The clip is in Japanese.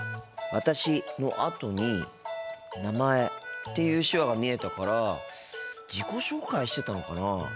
「私」のあとに「名前」っていう手話が見えたから自己紹介してたのかなあ。